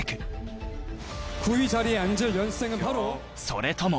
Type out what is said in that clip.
それとも